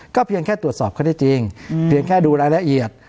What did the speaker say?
เพียงแค่ตรวจสอบข้อได้จริงเพียงแค่ดูรายละเอียด